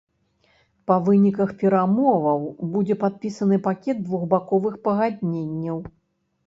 Па выніках перамоваў будзе падпісаны пакет двухбаковых пагадненняў.